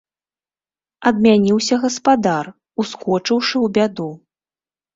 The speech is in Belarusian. Адмяніўся гаспадар, ускочыўшы ў бяду.